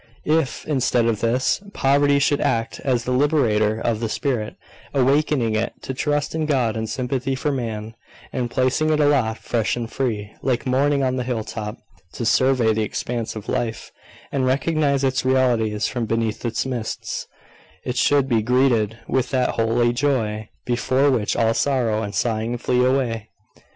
If; instead of this, poverty should act as the liberator of the spirit, awakening it to trust in God and sympathy for man, and placing it aloft, fresh and free, like morning on the hill top, to survey the expanse of life, and recognise its realities from beneath its mists, it should be greeted with that holy joy before which all sorrow and sighing flee away.